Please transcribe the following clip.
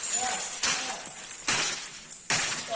เจ้ายังไม่เรียนเจ๋